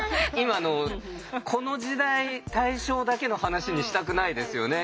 この時代大正だけの話にしたくないですよね。